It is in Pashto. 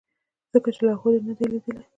ځکه چې لاهور یې نه دی لیدلی.